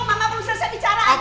mama perlu selesai bicara anik